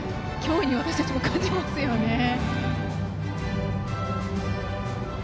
脅威に私たちも感じますよね。